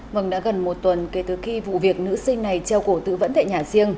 vâng đã gần một tuần kể từ khi vụ việc nữ sinh này treo cổ tự vẫn tại nhà riêng